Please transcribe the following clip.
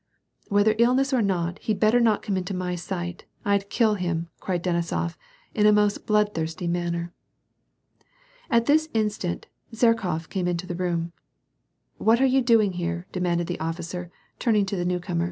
" Whether illness or not, he'd better not come into my sight, I'd kill him," cried Denisof, in a most bloodthirsty manner. At this instant, Zherkof came into the room. " What are you doing here ?" demanded the officer, turn mg to the new comer.